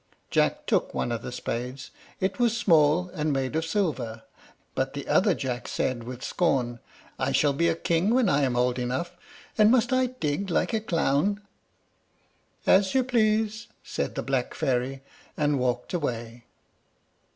Jack took one of the spades, it was small, and was made of silver; but the other Jack said with scorn, "I shall be a king when I am old enough, and must I dig like a clown?" "As you please," said the black fairy, and walked away.